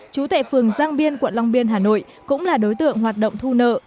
trú tại phường giang biên quận long biên hà nội cũng là đối tượng hoạt động thu nợ